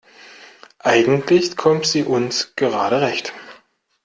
Eigentlich kommt sie uns gerade recht.